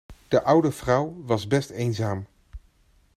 De oude vrouw was best eenzaam.